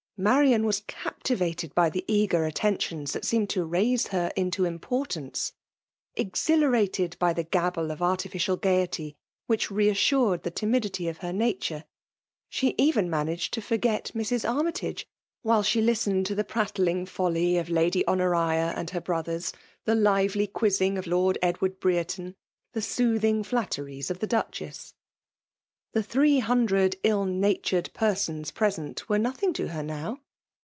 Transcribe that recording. Marian was captivated by the eager attentioBS that seemed to raise her into importance; exhilarated by the gabble of artificial gaiety, which re assured the timidity of her nature. She even managed to forget Mrs. Armyta^, while she listened to the prattling foUy of FKMALE DOMINATION, 1S3 Lady Honoria and her brothers,' — ^the Itveiy (fovBung of Liord Edward Brereton, the sooth* iiig^ flatteries of the Duchess. The three hundred ill natured persons present were no thing to her now.